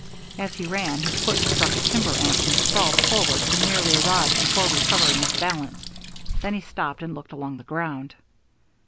As he ran, his foot struck a timber end, and he sprawled forward for nearly a rod before recovering his balance; then he stopped and looked along the ground.